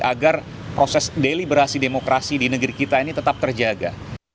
agar proses deliberasi demokrasi di negeri kita ini tetap terjaga